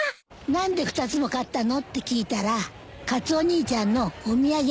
何で２つも買ったの？って聞いたら「カツオ兄ちゃんのお土産」だって。